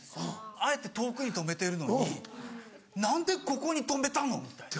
あえて遠くに止めてるのに何でここに止めたの⁉みたいな。